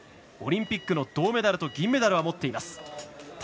オリンピックの銅メダルと銀メダルを持っています。